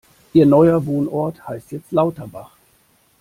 Ihr neuer Wohnort heißt jetzt Lauterbach.